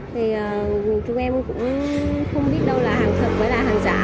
thì chúng em cũng không biết đâu là hàng thật với là hàng giả